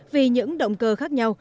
vì những động cơ khác nhau